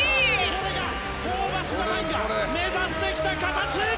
これがホーバスＪＡＰＡＮが目指してきた形！